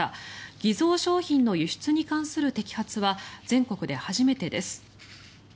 偽造商品の輸出に関する摘発は全国で初めてです。